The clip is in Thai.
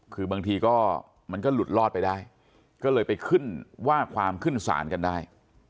คือบางทีก็มันก็หลุดรอดไปได้ก็เลยไปขึ้นว่าความขึ้นศาลกันได้